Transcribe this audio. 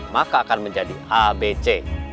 maka akan menjadi abc